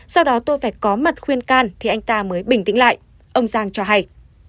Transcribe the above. sau đó tôi phải có mặt khuyên can thì anh ta mới bình tĩnh lại ông giang cho hay